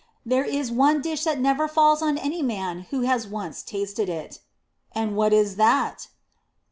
There is one dish that never palls on any man who has once tasted it." "And what is that?"